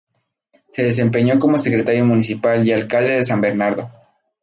Se desempeñó como secretario municipal y alcalde de San Bernardo.